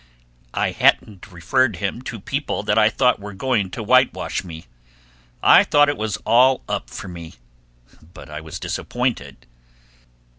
I hadn't referred him to people that I thought were going to whitewash me. I thought it was all up with me, but I was disappointed.